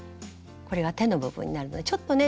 これは手の部分になるのでちょっとね